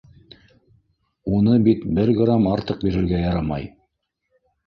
Уны бит бер грамм артыҡ бирергә ярамай!